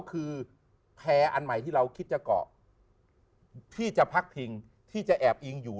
คือแพร่อันใหม่ที่เราคิดจะเกาะที่จะพักพิงที่จะแอบอิงอยู่